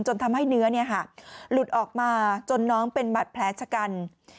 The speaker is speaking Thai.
จนทำให้เนื้อเนี่ยฮะหลุดออกมาจนน้องเป็นบัตรแพ้ชะกัน